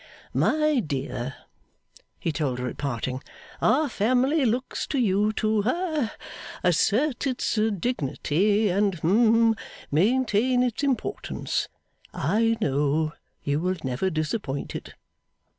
'My dear,' he told her at parting, 'our family looks to you to ha assert its dignity and hum maintain its importance. I know you will never disappoint it.